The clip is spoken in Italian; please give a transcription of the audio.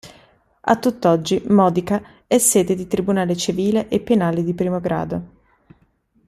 A tutt'oggi Modica è sede di Tribunale civile e penale di I grado.